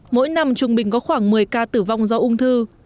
mỗi năm trung bình có khoảng một mươi ca tử vong do ung thư